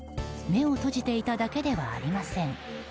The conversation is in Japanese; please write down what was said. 目を閉じていただけではありません。